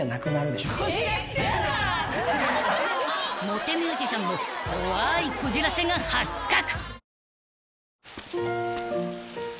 ［モテミュージシャンの怖いこじらせが発覚］